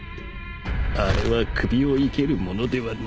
あれは首を生けるものではない。